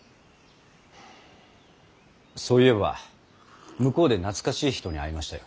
そういえば向こうで懐かしい人に会いましたよ。